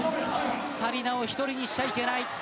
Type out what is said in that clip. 沙理那を１人にしてはいけない。